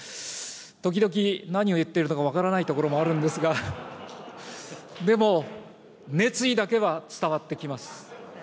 時々、何を言ってるのか分からないところもあるんですが、でも熱意だけは伝わってきます。